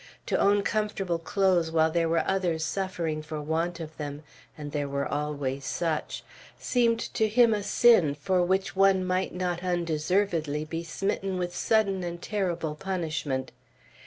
To own comfortable clothes while there were others suffering for want of them and there were always such seemed to him a sin for which one might not undeservedly be smitten with sudden and terrible punishment.